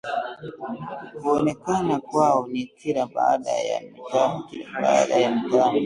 kuonekana kwao ni kila baada ya mitano